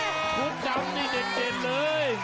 พูดจำดีเลย